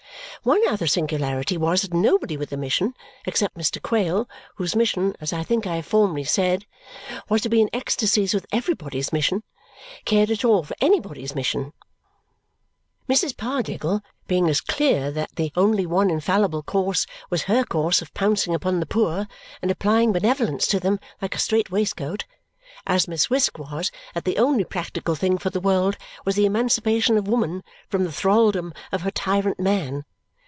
One other singularity was that nobody with a mission except Mr. Quale, whose mission, as I think I have formerly said, was to be in ecstasies with everybody's mission cared at all for anybody's mission. Mrs. Pardiggle being as clear that the only one infallible course was her course of pouncing upon the poor and applying benevolence to them like a strait waistcoat; as Miss Wisk was that the only practical thing for the world was the emancipation of woman from the thraldom of her tyrant, man.